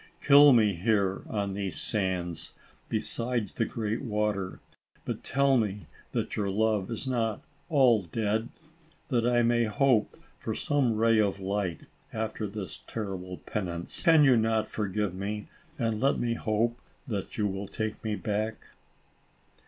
Kill me here, on these sands, beside the great water, but tell me that your love is not all dead, that I may hope for some ray of light, after this terrible penance. Can you not forgive me, and let me hope that you will take me back